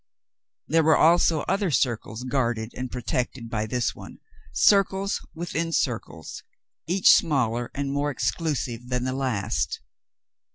There were also other circles guarded and protected by this one — circles within circles — each smaller and more exclusive than the last.